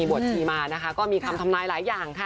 บวชชีมานะคะก็มีคำทำนายหลายอย่างค่ะ